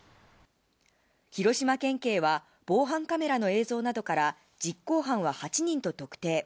広島県警は、防犯カメラの映像などから実行犯は８人特定。